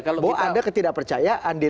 bahwa anda ketidak percayaan